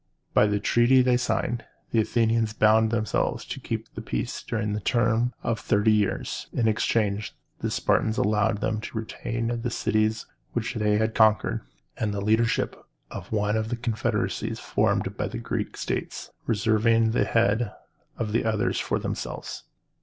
By the treaty then signed, the Athenians bound themselves to keep the peace during a term of thirty years. In exchange, the Spartans allowed them to retain the cities which they had conquered, and the leadership of one of the confederacies formed by the Greek states, reserving the head of the other for themselves.